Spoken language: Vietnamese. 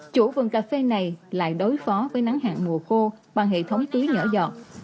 chủ vườn cà phê này lại đối phó với nắng hạng mùa khô bằng hệ thống tưới nhỏ dọn